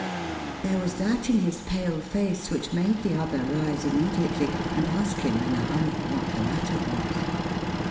There was that in his pale face which made the other rise immediately, and ask him, in a hurry, what the matter was.